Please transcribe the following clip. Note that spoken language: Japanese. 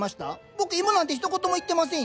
僕芋なんてひと言も言ってませんよ。